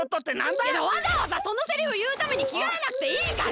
わざわざそのセリフいうためにきがえなくていいから！